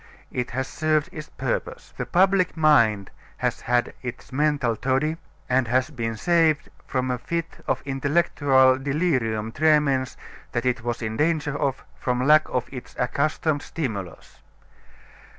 It has served its purpose. The public mind has had its mental toddy and has been saved from a fit of intellectual delirium tremens that it was in danger of from lack of its accustomed stimulus.